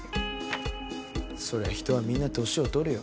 そりゃ人はみんな年を取るよ。